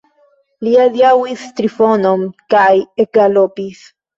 Li adiaŭis Trifonon kaj ekgalopis.